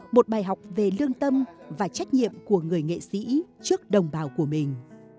một bài học về lương tâm và trách nhiệm của người nghệ sĩ trước đồng bào của mình